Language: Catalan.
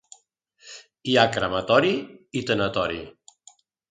Hi ha crematori i tanatori.